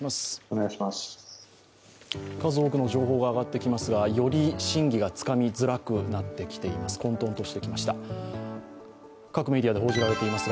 数多くの情報が上がってきますがより真偽がつかみづらくなってきています。